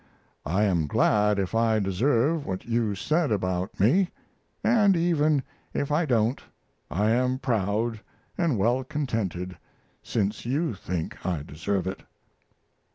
I am glad if I deserve what you have said about me; & even if I don't I am proud & well contented, since you think I deserve it."